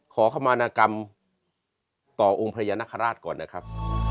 ขอขมานากรรมต่อองค์พญานาคาราชก่อนนะครับ